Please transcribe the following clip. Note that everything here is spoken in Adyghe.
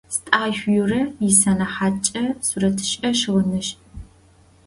Стӏашъу Юрэ исэнэхьаткӏэ сурэтышӏэ-щыгъынышӏ.